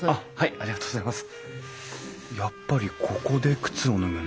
ありがとうございます。